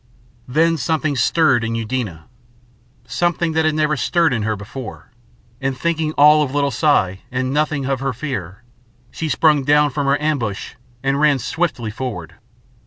Then something stirred in Eudena; something that had never stirred in her before; and, thinking all of little Si and nothing of her fear, she sprang up from her ambush and ran swiftly forward.